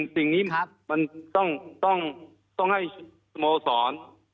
สิ่งนี้มันต้องให้สโมสร